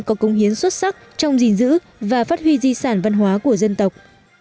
đây là một công hiến xuất sắc trong gìn giữ và phát huy di sản văn hóa của dân tộc